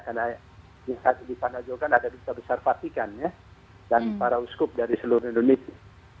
karena di pantai jokan ada di kota besar patikan ya dan para uskup dari seluruh indonesia